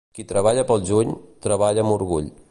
Qui treballa pel juny, treballa amb orgull.